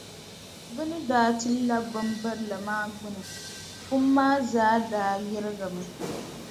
Bɛ ni daa ti labi bimbirili maa gbuni, pum maa zaa daa yirigimi.